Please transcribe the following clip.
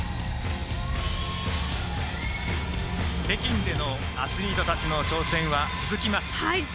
北京でのアスリートたちの挑戦は続きます。